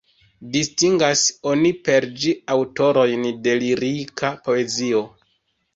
Distingas oni per ĝi aŭtorojn de lirika poezio.